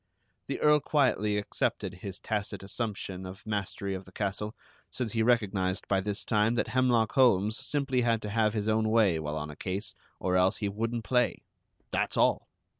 The Earl quietly accepted his tacit assumption of mastery of the castle, since he recognized by this time that Hemlock Holmes simply had to have his own way while on a case, or else he wouldn't play, that's all!